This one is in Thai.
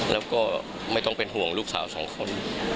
แล้วก็ไม่ต้องเป็นห่วงลูกสาวสองคน